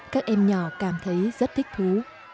các em nhỏ cảm thấy rất thích thú